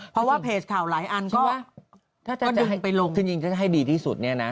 เพราะว่าเพจข่าวหลายอันถึงถ้าจะให้ดูซึ่งยิ่งจะให้ดีที่สุดเนี่ยนะ